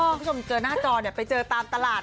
คุณผู้ชมเจอหน้าจอเนี่ยไปเจอตามตลาด